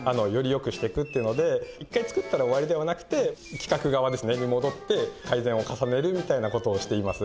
よくしてくっていうので１回つくったら終わりではなくて企画側にもどって改善を重ねるみたいなことをしています。